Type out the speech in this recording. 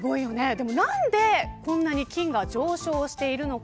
でもなんでこんなに金が上昇しているのか。